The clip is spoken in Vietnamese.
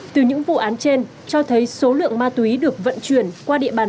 từ những vụ án trên cho thấy số lượng ma túy được vận chuyển qua địa bàn